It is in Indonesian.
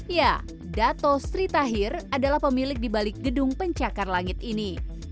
ya dato sri tahir adalah pemilik di balik gedung pencakar langit ini